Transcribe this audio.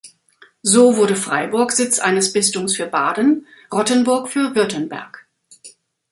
So wurde Freiburg Sitz eines Bistums für Baden, Rottenburg für Württemberg.